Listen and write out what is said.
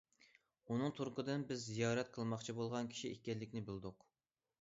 ئۇنىڭ تۇرقىدىن بىز زىيارەت قىلماقچى بولغان كىشى ئىكەنلىكىنى بىلدۇق.